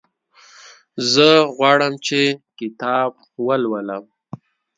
زه غواړم چې کتاب ولولم.